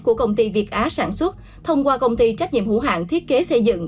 của công ty việt á sản xuất thông qua công ty trách nhiệm hữu hạng thiết kế xây dựng